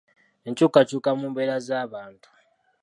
Enkyukakyuka mu mbeera z’abantu